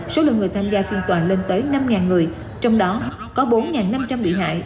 số lượng người tham gia phiên tòa lên tới năm người trong đó có bốn năm trăm linh bị hại